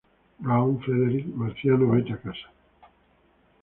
Brown, Frederic, "¡Marciano, vete a casa!